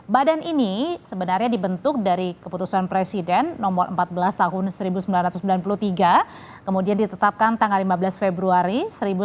badan ini sebenarnya dibentuk dari keputusan presiden nomor empat belas tahun seribu sembilan ratus sembilan puluh tiga kemudian ditetapkan tanggal lima belas februari seribu sembilan ratus empat puluh